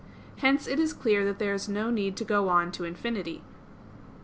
Hence it is clear that there is no need to go on to infinity.